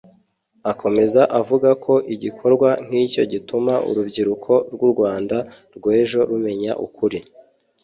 Akomeza avuga ko igikorwa nk’icyo gituma urubyiruko rw’ u Rwanda rw’ejo rumenya ukuri